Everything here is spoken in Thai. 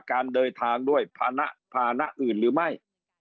การเดินทางด้วยภานะภานะอื่นหรือไม่